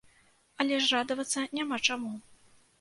Але ж радавацца няма чаму.